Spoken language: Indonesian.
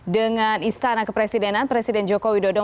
dengan istana kepresidenan